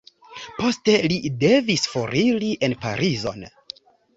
Poste li devis foriri en Parizon.